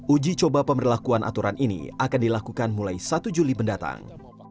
uji coba pemberlakuan aturan ini akan dilakukan mulai satu juli mendatang